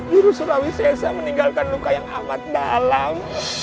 juru surawi sesa meninggalkan luka yang amat dalam